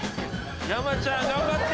ヤマちゃん頑張って。